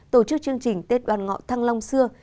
tổ chức chương trình tết đoàn ngọ thăng long xưa